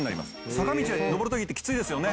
坂道上る時ってきついですよね。